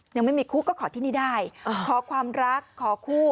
ยังไม่มีคู่ก็ขอที่นี่ได้ขอความรักขอคู่